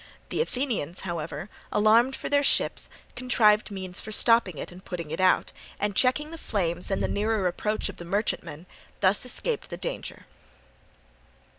The Athenians, however, alarmed for their ships, contrived means for stopping it and putting it out, and checking the flames and the nearer approach of the merchantman, thus escaped the danger.